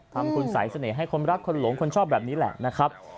ทำคุณสัยเสน่ห์ให้คนรักคนหลงคนชอบแบบนี้แหละนะครับ